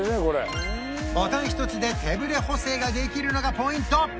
ボタン一つで手ぶれ補正ができるのがポイント